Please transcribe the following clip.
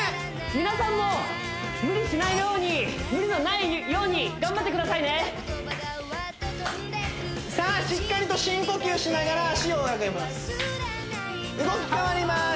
皆さんも無理しないように無理のないように頑張ってくださいねさあしっかりと深呼吸しながら脚を上げます動き変わります